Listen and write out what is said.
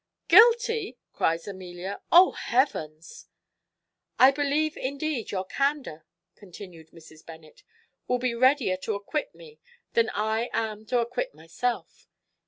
"Guilty!" cries Amelia. "O Heavens!" "I believe, indeed, your candour," continued Mrs. Bennet, "will be readier to acquit me than I am to acquit myself.